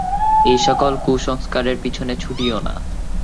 এই-সকল কুসংস্কারের পিছনে ছুটিও না।